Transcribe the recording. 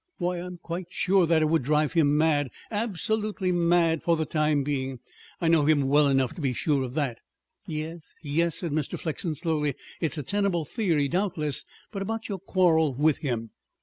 Why, I'm quite sure that it would drive him mad absolutely mad for the time being. I know him well enough to be sure of that." "Yes yes," said Mr. Flexen slowly. "It's a tenable theory, doubtless. But about your quarrel with him."